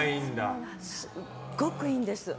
すごくいいんです。